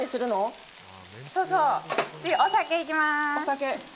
次、お酒いきます。